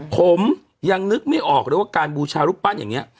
ผมยังนึกไม่ออกเลยว่าการบูชารูปปั้นอย่างนี้